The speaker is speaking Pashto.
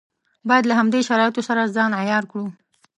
باید له همدې شرایطو سره ځان عیار کړو.